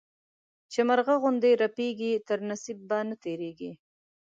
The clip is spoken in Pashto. چي مرغه غوندي رپېږي، تر نصيب به نه تيرېږې.